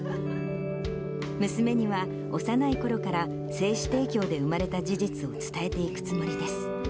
娘には、幼いころから精子提供で生まれた事実を伝えていくつもりです。